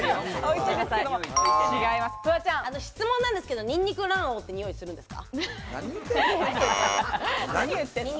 質問なんですけど、ニンニク卵黄ってにおいするんですか？